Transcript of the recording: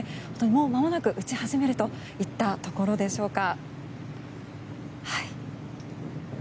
もうまもなく、打ち始めるといったところでしょうか。